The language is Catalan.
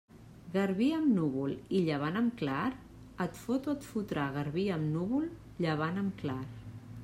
Garbí amb núvol i llevant amb clar, et fot o et fotrà Garbí amb núvol, llevant amb clar.